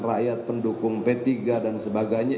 rakyat pendukung p tiga dan sebagainya